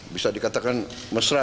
bisa dikatakan mesra